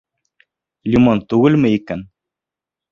Лимон түгелме икән?